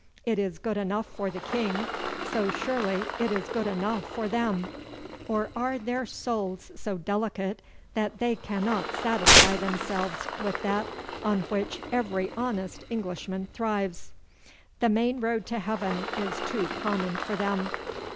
It is good enough for the King, so surely it is good enough for them; or are their souls so delicate that they cannot satisfy themselves with that on which every honest Englishman thrives? The main road to Heaven is too common for them.